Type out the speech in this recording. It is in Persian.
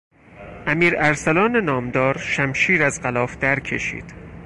امیر ارسلان نامدار شمشیر از غلاف درکشید.